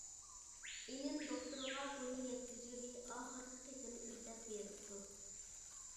ئىنىم دوختۇرغا بۇنى يەتكۈزگىلى ئاخىرقى قېتىم ئىزدەپ بېرىپتۇ.